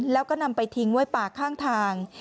แล้วก็นำไปทิ้งไว้ป่าข้างทาง